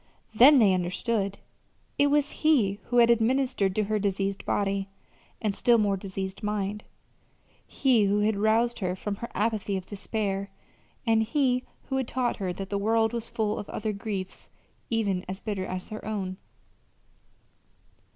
Then they understood. It was he who had administered to her diseased body, and still more diseased mind; he who had roused her from her apathy of despair; and he who had taught her that the world was full of other griefs even as bitter as her own.